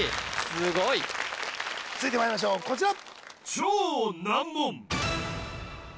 すごい続いてまいりましょうこちら